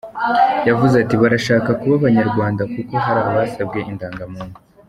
Yavuze ati: “Barashaka kuba Abanyarwanda kuko hari abasabye indangamuntu.